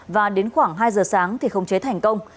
và đến khoảng hai giờ sáng thì không chế thành công